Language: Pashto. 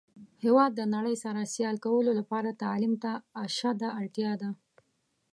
هیواد د نړۍ سره سیال کولو لپاره تعلیم ته اشده اړتیا ده.